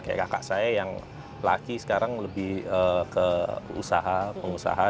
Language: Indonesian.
kayak kakak saya yang laki sekarang lebih ke usaha pengusaha